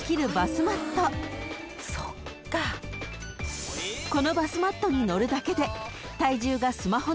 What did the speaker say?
［このバスマットに乗るだけで］